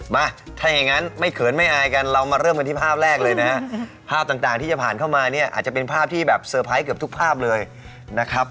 มาถ้าอย่างนั้นไม่เขินไม่อายกันเรามาเริ่มกันที่ภาพแรกเลยนะฮะภาพต่างที่จะผ่านเข้ามาเนี่ยอาจจะเป็นภาพที่แบบเซอร์ไพรส์เกือบทุกภาพเลยนะครับ